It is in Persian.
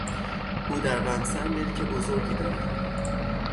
او در قمصر ملک بزرگی دارد.